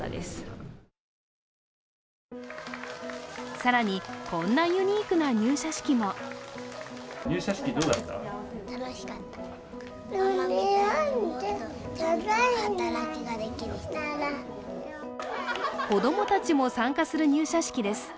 更に、こんなユニークな入社式も子供たちも参加する入社式です。